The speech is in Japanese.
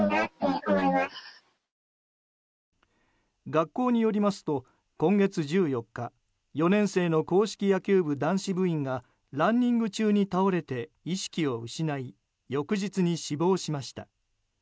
学校によりますと今月１４日４年生の硬式野球部、男子部員がランニング中に倒れて意識を失い翌日に死亡しました。